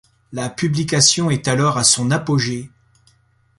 La publication est alors à son apogée.